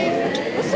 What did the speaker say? うそ！